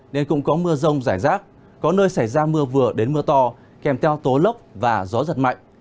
nên cũng có mưa rông rải rác có nơi xảy ra mưa vừa đến mưa to kèm theo tố lốc và gió giật mạnh